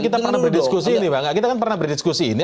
tapi kan kita pernah berdiskusi